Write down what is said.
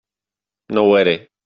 No ho era.